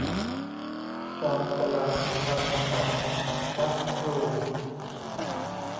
จรจรัลตันตัดพลัดพลู